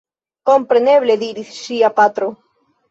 Kompreneble! diris ŝia patro.